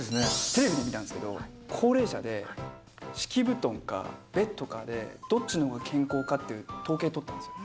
テレビで見たんですけど、高齢者で、敷布団かベッドかで、どっちのほうが健康かっていう統計取ったんですよ。